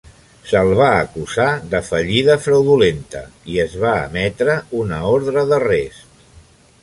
Se'l va acusar de fallida fraudulenta i es va emetre una ordre d'arrest.